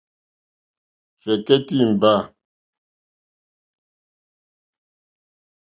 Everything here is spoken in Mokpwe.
Rzɛ̀kɛ́tɛ́ ìmbâ.